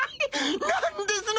・何ですの？